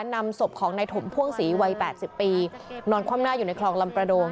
นำศพของนายถมพ่วงศรีวัย๘๐ปีนอนคว่ำหน้าอยู่ในคลองลำประโดง